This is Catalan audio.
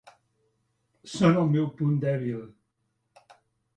Són el meu punt dèbil.